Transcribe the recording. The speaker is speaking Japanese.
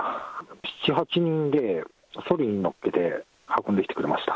７、８人でそりにのっけて運んできてくれました。